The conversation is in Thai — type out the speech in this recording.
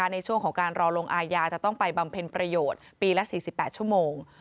ในช่วงของการรอลงอายาจะต้องไปบำเพ็ญประโยชน์ปีละ๔๘ชั่วโมง